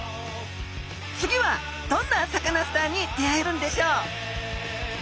次はどんなサカナスターに出会えるんでしょう？